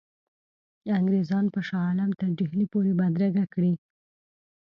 انګرېزان به شاه عالم تر ډهلي پوري بدرګه کړي.